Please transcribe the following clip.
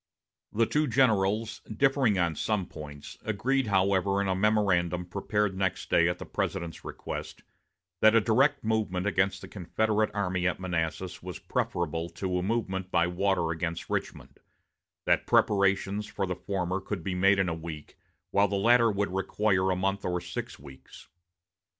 The two generals, differing on some other points, agreed, however, in a memorandum prepared next day at the President's request, that a direct movement against the Confederate army at Manassas was preferable to a movement by water against Richmond; that preparations for the former could be made in a week, while the latter would require a month or six weeks.